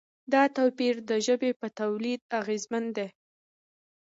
دا توپیر د ژبې په تولید اغېزمن دی.